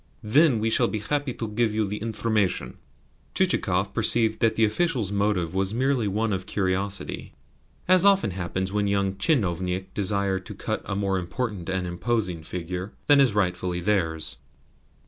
THEN we shall be happy to give you the information." Chichikov perceived that the officials' motive was merely one of curiosity, as often happens when young tchinovniks desire to cut a more important and imposing figure than is rightfully theirs.